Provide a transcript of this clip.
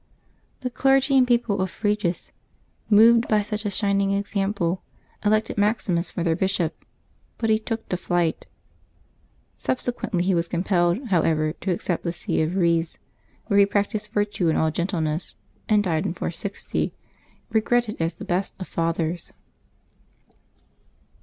The clergy and people of Frejus, moved by such a shining ex ample, elected Maximus for their bishop, but he took to flight; subsequently he was compelled, however, to accept the see of Eiez, where he practised virtue in all gentleness, and died in 460, regretted as the best of fathers.